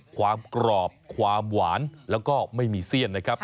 ความกรอบความหวานแล้วก็ไม่มีเสี้ยนนะครับ